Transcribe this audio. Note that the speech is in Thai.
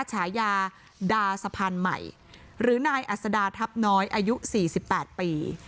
ฉายาดาสะพานใหม่หรือนายอัศดาทัพน้อยอายุ๔๘ปี